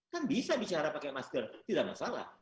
kan bisa bicara pakai masker tidak masalah